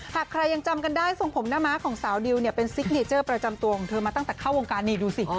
หากใครยังจำกันได้ทรงผมหน้าม้าของสาวดิวเนี่ยเป็นซิกเนเจอร์ประจำตัวของเธอมาตั้งแต่เข้าวงการนี่ดูสิ